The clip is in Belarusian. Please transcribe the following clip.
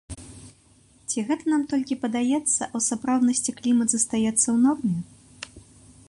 Ці гэта нам толькі падаецца, а ў сапраўднасці клімат застаецца ў норме?